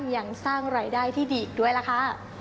ยังสร้างรายได้ที่ดีอีกด้วยล่ะค่ะ